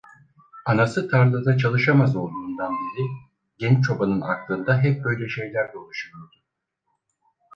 Anası tarlada çalışamaz olduğundan beri, genç çobanın aklında hep böyle şeyler dolaşıyordu.